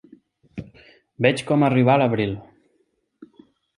Veig com arribar l'abril.